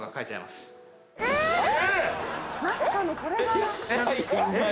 まさかのこれが。